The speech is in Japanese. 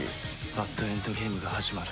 バッドエンドゲームが始まる。